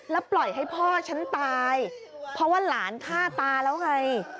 แล้วปล่อยให้พ่อฉันตายเพราะว่าหลานฆ่าตาแล้วไง